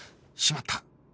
しまった！